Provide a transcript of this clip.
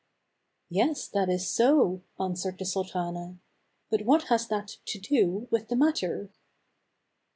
"Yes, that is so," answered the sultana; "but what has that to do with the matter